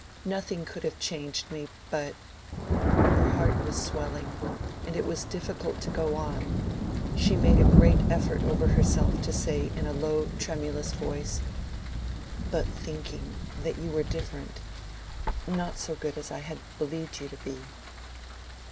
"Nothing could have changed me but—" her heart was swelling, and it was difficult to go on; she made a great effort over herself to say in a low tremulous voice, "but thinking that you were different—not so good as I had believed you to be."